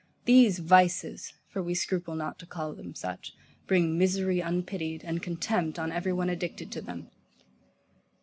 These vices (for we scruple not to call them such) bring misery unpitied, and contempt on every one addicted to them.